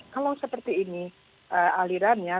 kalau seperti ini alirannya